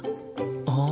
ああ。